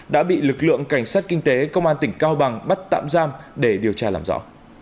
đã bị lực lượng cảnh sát kinh tế công an tỉnh cao bằng bắt tạm giam để điều tra làm rõ